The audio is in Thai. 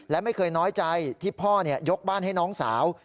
และไม่เคยน้อยใจที่พ่อยกบ้านให้น้องสาว